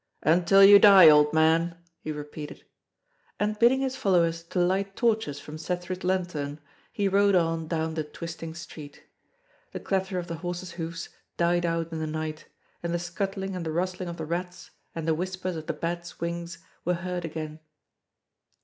"Until you die, old man," he repeated; and bidding his followers to light torches from Cethru's lanthorn, he rode on down the twisting street. The clatter of the horses' hoofs died out in the night, and the scuttling and the rustling of the rats and the whispers of the bats' wings were heard again.